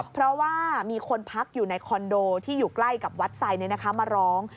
เพราะว่ามีคนพักอยู่ในคอนโดที่อยู่ใกล้กับวัดไซดมาร้อง